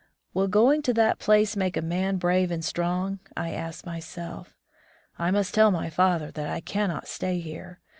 ^^Will going to that place make a man brave and strong?" I asked myself. "I must tell my father that I cannot stay here.